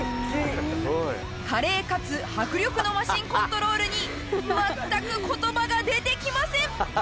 華麗かつ迫力のマシンコントロールに全く言葉が出てきません